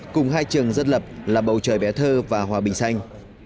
cùng hai trường dân lập là bầu trời bé thơ và hòa bình xanh